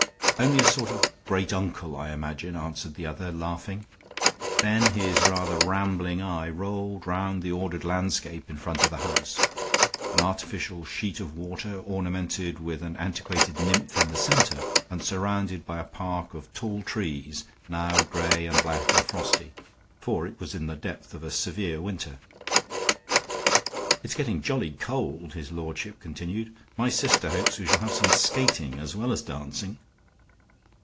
"Only a sort of great uncle, I imagine," answered the other, laughing; then his rather rambling eye rolled round the ordered landscape in front of the house; an artificial sheet of water ornamented with an antiquated nymph in the center and surrounded by a park of tall trees now gray and black and frosty, for it was in the depth of a severe winter. "It's getting jolly cold," his lordship continued. "My sister hopes we shall have some skating as well as dancing."